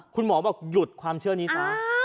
คุณหมอบอกหยุดความเชื่อนี้ซะ